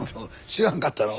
知らんかったの？